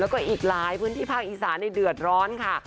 แล้วก็อีกหลายพื้นที่ภาคอีสานเดือดร้อนค่ะ